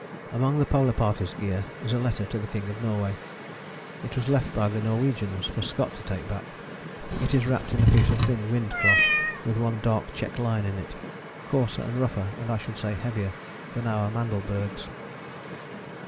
Among the Polar Party's gear is a letter to the King of Norway. It was left by the Norwegians for Scott to take back. It is wrapped in a piece of thin windcloth with one dark check line in it. Coarser and rougher and, I should say, heavier than our Mandelbergs.